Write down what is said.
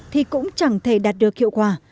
thì cũng chẳng thể đạt được hiệu quả